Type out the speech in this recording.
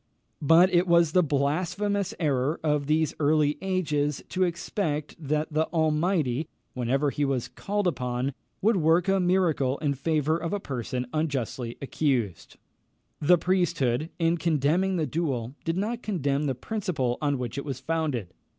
But it was the blasphemous error of these early ages to expect that the Almighty, whenever he was called upon, would work a miracle in favour of a person unjustly accused. The priesthood, in condemning the duel, did not condemn the principle on which it was founded.